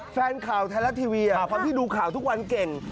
แฟนข่าวไทยรัฐทีวีความที่ดูข่าวทุกวันเก่ง